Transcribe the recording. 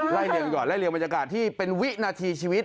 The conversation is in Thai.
ไล่เรียงเมืองมันจักรที่เป็นวินาทีชีวิต